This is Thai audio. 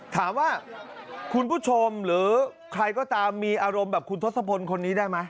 ถามว่าคุณผู้ชมหรือใครก็ตามมีอารมณ์แบบคุณทศพลคนนี้ได้ไหม